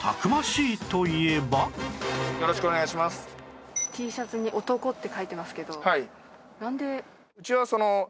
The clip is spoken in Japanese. Ｔシャツに「男」って書いてますけどなんで？